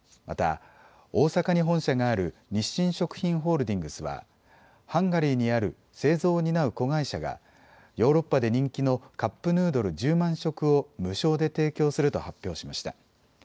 また大阪に本社がある日清食品ホールディングスはハンガリーにある製造を担う子会社がヨーロッパで人気のカップヌードル１０万食を無償で提供すると発表しました。